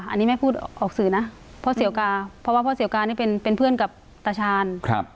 อันนี้แม่พูดออกสื่อนะพ่อเสียวกาเพราะว่าพ่อเสียวกานี่เป็นเพื่อนกับตาชาญ